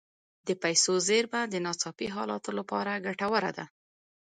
د پیسو زیرمه د ناڅاپي حالاتو لپاره ګټوره ده.